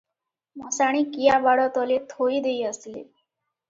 ମଶାଣି କିଆବାଡ଼ ତଳେ ଥୋଇ ଦେଇ ଆସିଲେ ।